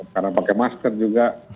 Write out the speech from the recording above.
karena pakai masker juga